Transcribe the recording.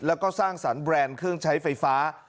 แล้วก็สร้างสรรค์แบรนด์เครื่องใช้ไฟฟ้า